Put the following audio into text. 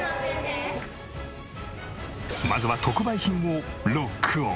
まずは特売品をロックオン。